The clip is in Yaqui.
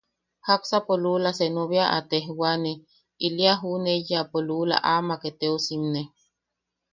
Jaksapo luula senu bea a tejwane, ili a juʼuneiyapo luula amak eteosimne.